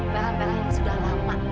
barang barang yang sudah lama